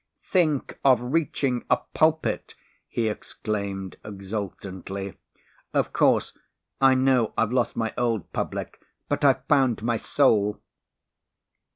"Think of reaching a pulpit," he exclaimed exultantly. "Of course, I know I've lost my old public but I've found my soul."